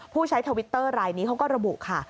ผู้ใช้ทวิตเตอร์รายนี้เขาก็ระบุค่ะ